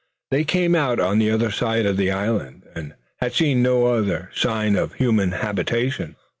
They came out on the other side of the island, and had seen no sign of any sort of human habitation.